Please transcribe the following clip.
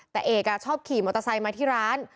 แต่เอกชอบขี่มอเตอร์ไซค์มาที่ร้าน